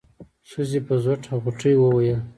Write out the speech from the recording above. ښځې په زوټه غوټۍ وويل.